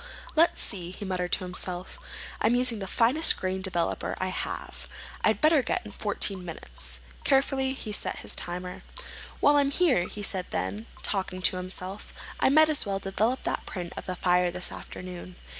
"Let's see," he muttered to himself. "I'm using the finest grain developer I have. I'd better give it fourteen minutes." Carefully he set his timer. "While I'm here," he said then, still talking to himself, "I might as well develop that print of the fire this afternoon.